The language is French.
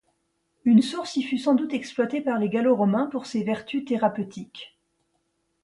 Une source y fut sans doute exploitée par les Gallo-Romains pour ses vertus thérapeutiques.